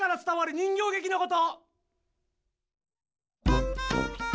人形げきのこと。